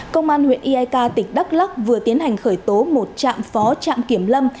công an huyện eak tỉnh đắk lắc vừa tiến hành khởi tố một trạm phó trạm kiểm lâm